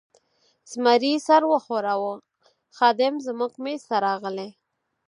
زمري سر و ښوراوه، خادم زموږ مېز ته راغلی.